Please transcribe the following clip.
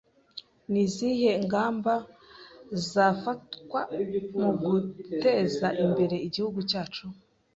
Ni izihe ngamba zafatwa mu guteza imbere Igihugu cyacu?